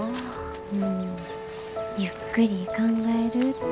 うんゆっくり考えるって。